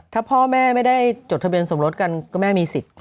ถ้าพ่อแม่ไม่ได้จดทะเบียนสมรสกันก็แม่มีสิทธิ์